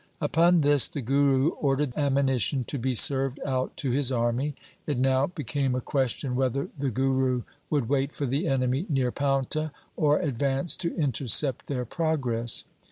Upon this the Guru ordered ammunition to be served out to his army. It now became a ques tion whether the Guru would wait for the enemy near Paunta, or advance to intercept their progress.